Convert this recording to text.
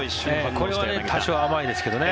これは多少甘いですけどね。